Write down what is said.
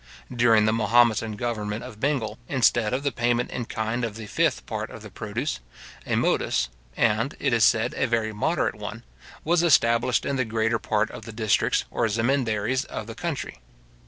During the Mahometan government of Bengal, instead of the payment in kind of the fifth part of the produce, a modus, and, it is said, a very moderate one, was established in the greater part of the districts or zemindaries of the country.